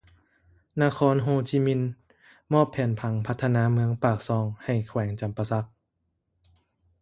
ນະຄອນໂຮ່ຈິມິນ ມອບແຜນຜັງພັດທະນາເມືອງປາກຊ່ອງ ໃຫ້ແຂວງຈໍາປາສັກ